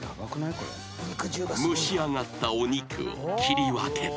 ［蒸し上がったお肉を切り分けて］